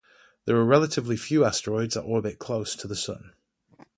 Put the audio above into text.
There are relatively few asteroids that orbit close to the Sun.